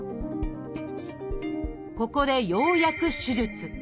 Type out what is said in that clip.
ここでようやく手術。